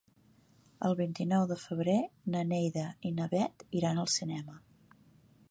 El vint-i-nou de febrer na Neida i na Bet iran al cinema.